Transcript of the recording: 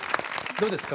どうですか？